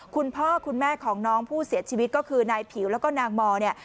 คุณพ่อคุณแม่ของน้องผู้เสียชีวิตก็คือนายผิวแล้วก็นางมอเนี่ย